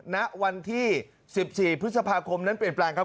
ณวันที่๑๔พฤษภาคมนั้นเปลี่ยนแปลงครับ